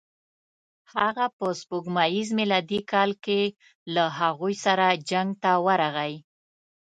هغه په سپوږمیز میلادي کال کې له هغوی سره جنګ ته ورغی.